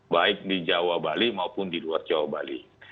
baik di jawa bali maupun di luar jawa bali